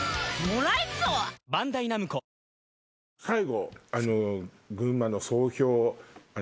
最後。